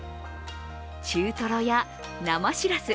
中トロや生しらす